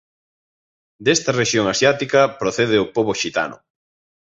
Desta rexión asiática procede o pobo xitano.